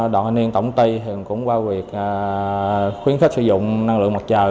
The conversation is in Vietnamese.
đoàn hành niên tổng ti cũng qua việc khuyến khích sử dụng năng lượng mặt trời